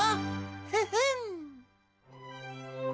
フフン！